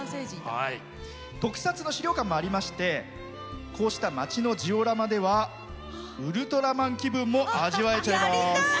特撮の資料館もありましてこうした街のジオラマではウルトラマン気分も味わえちゃいます。